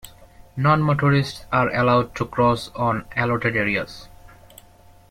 Non-motorists are allowed to cross on allotted areas.